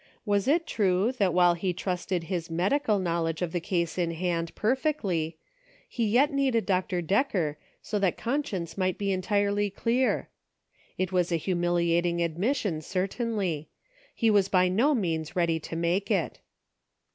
Was it true that while he trusted his medical knowledge of the case in hand, perfectly, he yet needed Dr. Decker, so that conscience might be entirely clear ? It was a humiliating admission, certainly ; he was by no means ready to make it.